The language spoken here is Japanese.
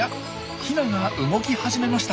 ヒナが動き始めました。